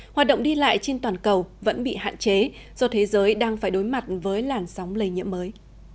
hoạt động đi lại trên toàn cầu vẫn bị hạn chế do thế giới đang phải đối mặt với làn sóng lây nhiễm mới